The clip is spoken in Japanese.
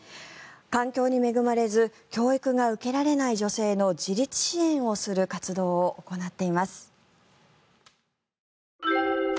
環境に恵まれず教育が受けられない女性の自立支援をする活動を行っています。